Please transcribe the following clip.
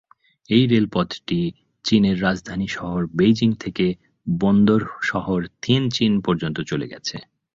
এই রেলপথটি চীনের রাজধানী শহর বেইজিং থেকে বন্দর শহর থিয়েনচিন পর্যন্ত চলে গেছে।